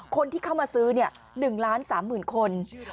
คนที่เข้ามาซื้อเนี่ย๑ล้าน๓๐๐๐๐คน